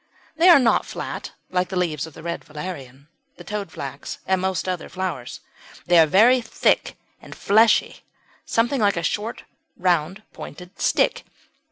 They are not flat like the leaves of the Red Valerian, the Toadflax, and most other flowers; they are very thick and fleshy something like a short round pointed stick.